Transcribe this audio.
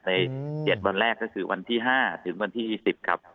ใน๗วันแรกก็คือวันที่๕ถึงวันที่๒๐ครับ